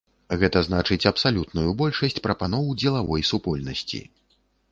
Гэта значыць, абсалютную большасць прапаноў дзелавой супольнасці.